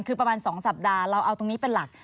คือประมาณ๒สัปดาห์เราเอาตรงนี้เป็นหลัก